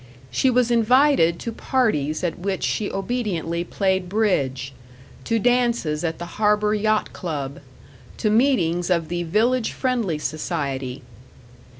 She was invited to parties at which she obediently played bridge, to dances at the Harbor Yacht Club, to meetings of the Village Friendly Society.